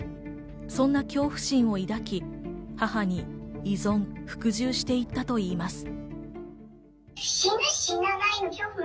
そんな恐怖心を抱き、母に依存・服従していったといいます。